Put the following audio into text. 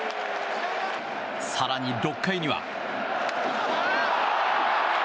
更に６回には。